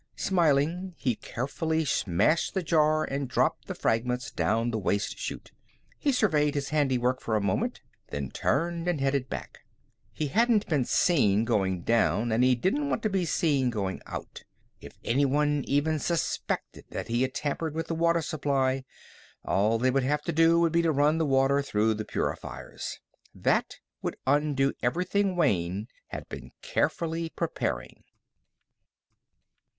Smiling, he carefully smashed the jar and dropped the fragments down the waste chute. He surveyed his handiwork for a moment, then turned and headed back. He hadn't been seen going down, and he didn't want to be seen going out. If anyone even suspected that he had tampered with the water supply, all they would have to do would be to run the water through the purifiers. That would undo everything Wayne had been carefully preparing.